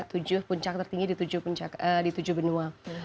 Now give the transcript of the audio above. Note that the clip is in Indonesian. tujuh puncak tertinggi di tujuh benua